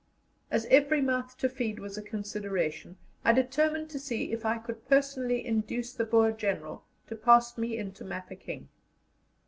As every mouth to feed was a consideration, I determined to see if I could personally induce the Boer General to pass me into Mafeking.